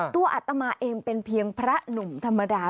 อัตมาเองเป็นเพียงพระหนุ่มธรรมดา